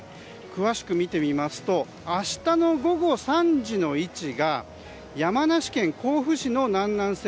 詳しく見てみますと明日の午後３時の位置が山梨県甲府市の南南西